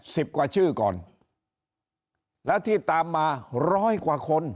สิบกว่าชื่อก่อนแล้วที่ตามมาร้อยกว่าคน